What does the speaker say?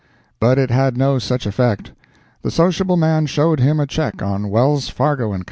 But it had no such effect; the sociable man showed him a check on Wells, Fargo &; Co.